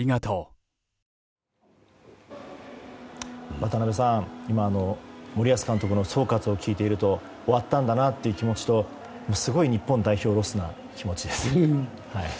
渡辺さん、今の森保監督の総括を聞いていると終わったんだなという気持ちとすごい日本代表ロスな気持ちです。